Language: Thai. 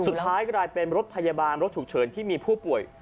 สุดท้ายกลายเป็นรถพยาบาลรถฉุกเฉินที่มีผู้ป่วย